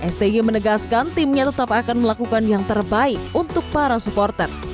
sty menegaskan timnya tetap akan melakukan yang terbaik untuk para supporter